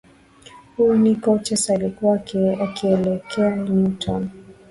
winnie coates alikuwa akielekea new york